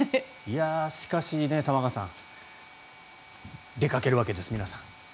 しかし、玉川さん出かけるわけです、皆さん。